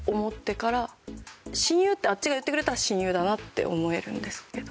親友ってあっちが言ってくれたら親友だなって思えるんですけど。